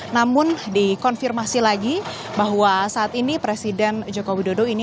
namun dikonfirmasi lagi bahwa saat ini presiden joko widodo ini